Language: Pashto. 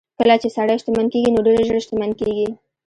کله چې سړی شتمن کېږي نو ډېر ژر شتمن کېږي.